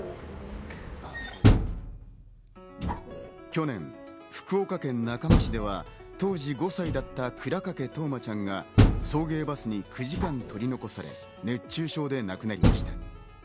去年、福岡県中間市では当時５歳だった倉掛冬生ちゃんが送迎バスに９時間取り残され、熱中症で亡くなりました。